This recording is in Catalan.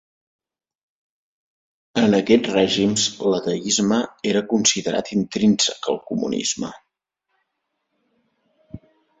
En aquests règims l'ateisme era considerat intrínsec al comunisme.